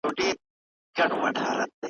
په تور تم کي په تیاروکي لاري ویني `